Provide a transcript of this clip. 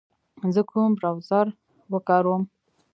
زه کوم براوزر و کاروم